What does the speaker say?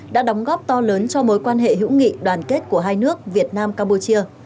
đã đóng góp to lớn cho mối quan hệ hữu nghị đoàn kết của hai nước việt nam campuchia